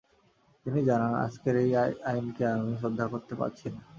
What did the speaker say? তিনি জানান, "আজকের এই আইনকে আমি শ্রদ্ধা করতে পারছি না।